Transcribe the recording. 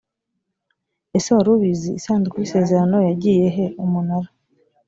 ese wari ubizi isanduku y isezerano yagiye he umunara